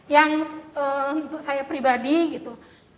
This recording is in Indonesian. yang untuk saya pribadi gitu